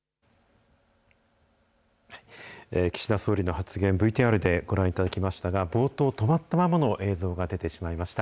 岸田総理の発言、ＶＴＲでご覧いただきましたが、冒頭、止まったままの映像が出てしまいました。